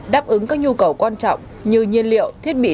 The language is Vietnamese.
đáp ứng các nhu cầu quan trọng như nhiên liệu thiết bị